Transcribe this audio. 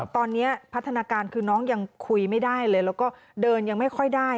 ตอนนี้พัฒนาการคือน้องยังคุยไม่ได้เลยแล้วก็เดินยังไม่ค่อยได้